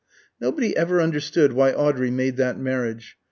Nobody ever understood why Audrey made that marriage.